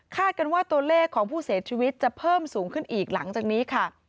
กันว่าตัวเลขของผู้เสียชีวิตจะเพิ่มสูงขึ้นอีกหลังจากนี้ค่ะ